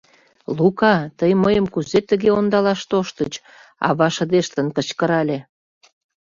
— Лука, тый мыйым кузе тыге ондалаш тоштыч?! — ава шыдештын кычкырале.